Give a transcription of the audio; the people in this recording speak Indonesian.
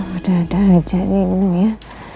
udah udah aja ini ya